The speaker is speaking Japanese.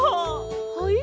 はい？